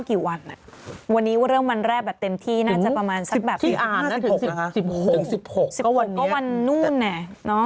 แต่จริงมันเลตมานิดนึง